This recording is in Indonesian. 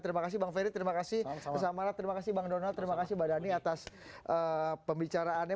terima kasih bang ferry terima kasih samara terima kasih bang donald terima kasih mbak dhani atas pembicaraannya